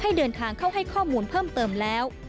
เดินทางเข้าให้ข้อมูลเพิ่มเติมแล้ว